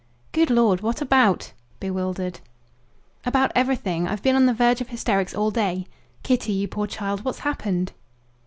"Good Lord, what about?" bewildered. "About everything. I've been on the verge of hysterics all day." "Kitty, you poor child, what's happened?"